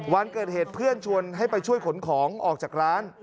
วันเกิดเหตุเพื่อนชวนให้ไปช่วยขนของออกจากร้าน